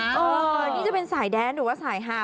นี่จะเป็นสายแดนหรือว่าสายหาด